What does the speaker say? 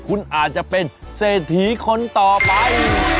คุณอาจจะเป็นเศรษฐีคนต่อไป